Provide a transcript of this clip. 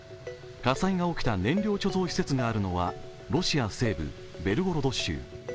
火災が起きた燃料貯蔵施設があるのはロシア西部ベルゴロド州。